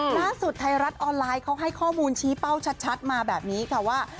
ไทยรัฐออนไลน์เขาให้ข้อมูลชี้เป้าชัดมาแบบนี้ค่ะว่า